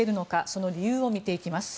その理由を見ていきます。